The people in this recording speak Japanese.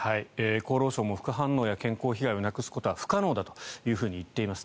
厚労省も副反応や健康被害をなくすことは不可能だと言っています。